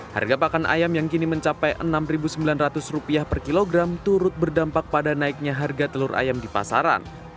harga pakan ayam yang kini mencapai rp enam sembilan ratus per kilogram turut berdampak pada naiknya harga telur ayam di pasaran